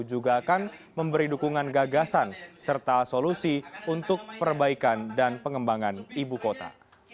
juga akan memberi dukungan gagasan serta solusi untuk perbaikan dan pengembangan ibu kota